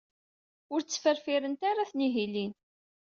Ur ttferfirent ara tenhilin.